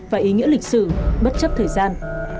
và ý nghĩa lịch sử bất chấp thời gian